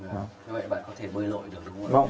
vậy bạn có thể bơi lội được đúng không